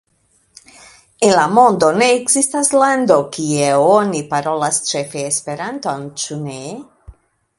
En la mondo ne ekzistas lando, kie oni parolas ĉefe Esperanton, ĉu ne?